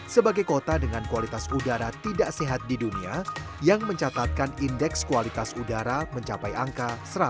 sebagai kota dengan kualitas udara tidak sehat di dunia yang mencatatkan indeks kualitas udara mencapai angka satu ratus lima puluh